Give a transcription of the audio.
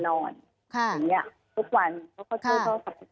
ค่ะอย่างเงี้ยทุกวันเขาเขาช่วยเขากลับไป